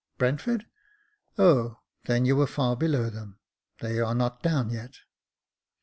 *'*' Brentford ? O then you were far below them. They are not down yet."